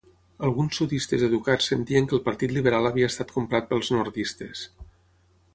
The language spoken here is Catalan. Alguns sudistes educats sentien que el Partit Liberal havia estat comprat pels nordistes.